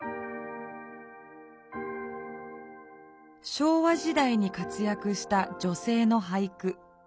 昭和時代に活やくした女性の俳句。